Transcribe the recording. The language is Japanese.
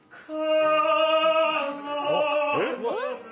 えっ！